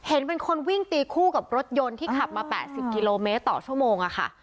เห็นเป็นคนวิ่งตีคู่กับรถยนต์ที่ขับมา๘๐กิโลเมตรต่อชั่วโมงค่ะ